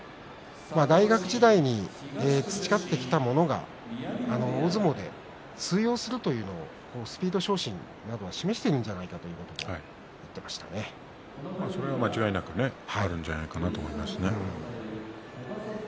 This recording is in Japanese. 大学時代に培ってきたものが大相撲で通用するというのをスピード昇進などが示しているんじゃないかという話それは確実にあると思いますね。